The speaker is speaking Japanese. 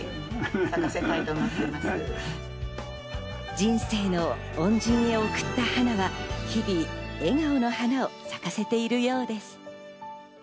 人生の恩人へ贈った花は日々、笑顔の花を咲かせているようです。